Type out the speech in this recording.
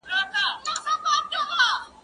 هغه وويل چي واښه مهمه ده،